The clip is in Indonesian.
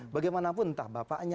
bagaimanapun entah bapaknya